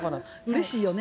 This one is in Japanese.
うれしいよね。